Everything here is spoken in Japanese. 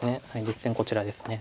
実戦こちらです。